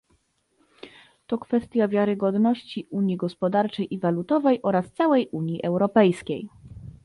To kwestia wiarygodności unii gospodarczej i walutowej oraz całej Unii Europejskiej